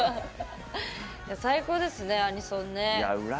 最高ですね、アニソンね。